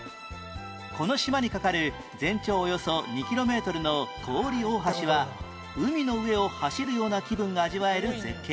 この島にかかる全長およそ２キロメートルの古宇利大橋は海の上を走るような気分が味わえる絶景